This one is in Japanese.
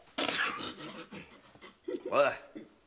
おい。